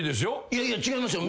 いやいや違いますよ。